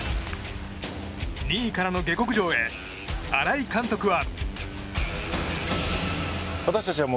２位からの下克上へ新井監督は。